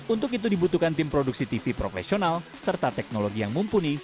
untuk itu dibutuhkan tim produksi tv profesional serta teknologi yang mumpuni